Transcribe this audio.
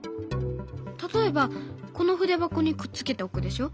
例えばこの筆箱にくっつけておくでしょ。